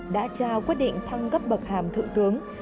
đã trao quyết định thăng cấp bậc hàm thượng tướng